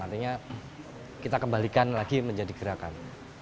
artinya kita kembalikan lagi menjadi gerakan